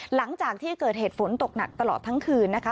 หลังจากที่เกิดเหตุฝนตกหนักตลอดทั้งคืนนะคะ